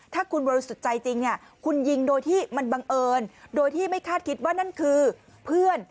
ถ้าคุณบริสุทธิ์ใจจริงเนี่ยคุณยิงโดยที่มันบังเอิญโดยที่ไม่คาดคิดว่านั่นคือเพื่อน